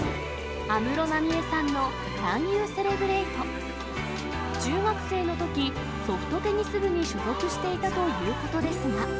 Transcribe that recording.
安室奈美恵さんのＣＡＮＹＯＵＣＥＬＥＢＲＡＴＥ？中学生のとき、ソフトテニス部に所属していたということですが。